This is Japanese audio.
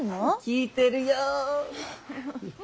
聞いてるよッ！